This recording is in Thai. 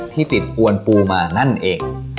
ที่ติดอวนปูมานั่นเอง